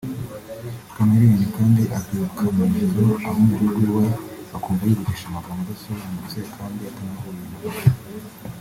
Chameleone kandi abyuka mu ijoro abo mu rugo iwe bakumva yivugisha amagambo adasobanutse kandi atanahuye na gato